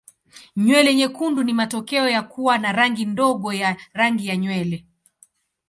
Nywele nyekundu ni matokeo ya kuwa na rangi ndogo ya rangi ya nywele.